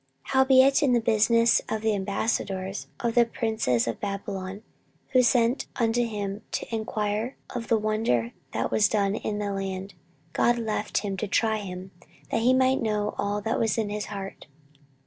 14:032:031 Howbeit in the business of the ambassadors of the princes of Babylon, who sent unto him to enquire of the wonder that was done in the land, God left him, to try him, that he might know all that was in his heart.